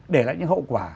để lại những hậu quả